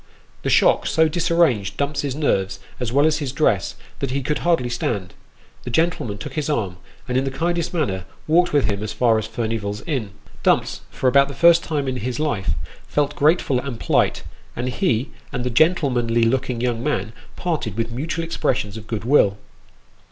The shock so disarranged Dumps's nerves, as well as his dress, that he could hardly stand. The gentleman took his arm, and in the kindest manner walked with him as far as Furnival's Inn. Dumps, for about the first time in his life, felt grateful and polite ; and he and the gentlemanly looking young man parted with mutual expressions of good will.